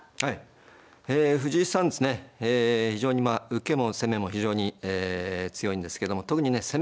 藤井さんですねええ非常にまあ受けも攻めも非常に強いんですけども特にね攻めがね